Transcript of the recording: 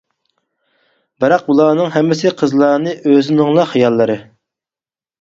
بىراق بۇلارنىڭ ھەممىسى قىزلارنى ئۆزىنىڭلا خىياللىرى.